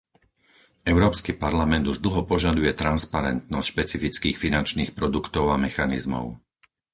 Európsky parlament už dlho požaduje transparentnosť špecifických finančných produktov a mechanizmov.